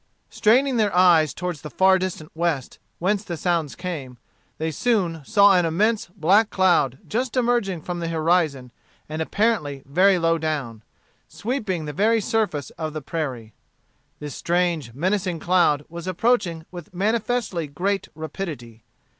Straining their eyes toward the far distant west, whence the sounds came, they soon saw an immense black cloud just emerging from the horizon and apparently very low down, sweeping the very surface of the prairie. This strange, menacing cloud was approaching with manifestly great rapidity.